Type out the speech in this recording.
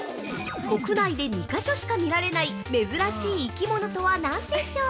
国内で２カ所しか見られない珍しい生き物とは何でしょう？